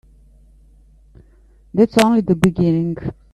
That's only the beginning.